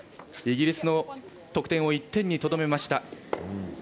イギリスの得点を１点にとどめました。